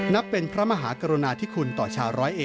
นับเป็นพระมหากรณาธิคุณต่อชา๑๐๑